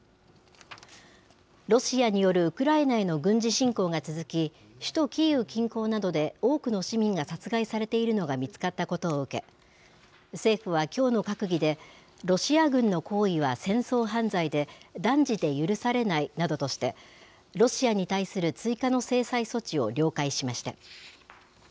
ロシアによるウクライナへの軍事侵攻が続き、首都キーウ近郊などで多くの市民が殺害されているのが見つかったことを受け、政府はきょうの閣議で、ロシア軍の行為は戦争犯罪で、断じて許されないなどとして、ロシアに対する追加の制裁措置を了解しました。